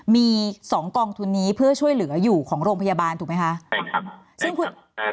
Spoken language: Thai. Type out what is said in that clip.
มีสองกลองทุนนี้เพื่อช่วยเหลืออยู่ของโรงพยาบานถูกไหมคะ